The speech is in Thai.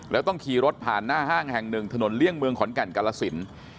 แล้วต้องขี่รถผ่านหน้าห้างแห่งหนึ่งถนนเลี่ยงเมืองขอนแก่นกาลสิน